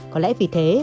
có lẽ vì thế